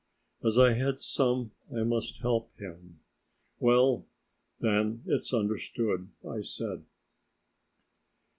As I had some I must help him. "Well, then, it's understood," I said.